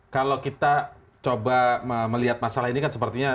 kalau kita coba melihat masalah ini kan sepertinya